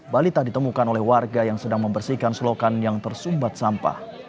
balita ditemukan oleh warga yang sedang membersihkan selokan yang tersumbat sampah